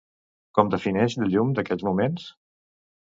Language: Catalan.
Com defineix la llum d'aquells moments?